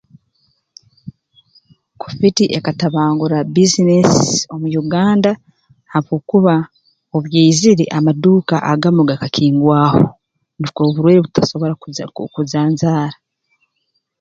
Kovidi ekatabangura bbiizinesi omu Uganda habwokuba obu yaizire amaduuka agamu gakakingwaho nukwo oburwaire butasobora ku kujanjaara